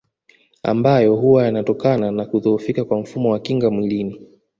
Ambayo huwa yanatokana na kudhohofika kwa mfumo wa kinga mwilini